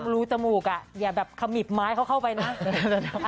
รูจมูกอย่าแบบขมิบไม้เขาเข้าไปนะ